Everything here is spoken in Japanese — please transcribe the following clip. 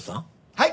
はい！